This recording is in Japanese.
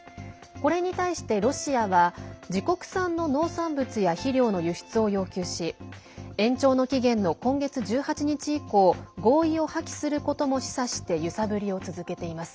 これに対してロシアは自国産の農産物や肥料の輸出を要求し延長の期限の今月１８日以降合意を破棄することも示唆して揺さぶりを続けています。